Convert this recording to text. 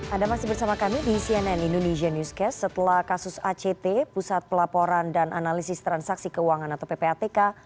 anda masih bersama kami di cnn indonesia newscast setelah kasus act pusat pelaporan dan analisis transaksi keuangan atau ppatk